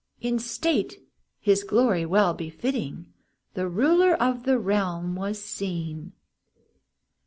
In state his glory well befitting, The ruler of the realm was seen.